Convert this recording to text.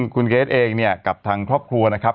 คุณเกรทเองเนี่ยกับทางครอบครัวนะครับ